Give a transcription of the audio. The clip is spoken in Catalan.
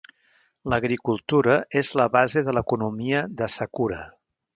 L'agricultura és la base de l'economia d'Asakura.